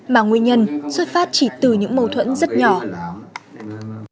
mà nguyên nhân xuất phát chỉ từ những mâu thuẫn rất nhỏ